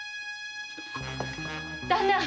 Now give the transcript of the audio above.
⁉旦那。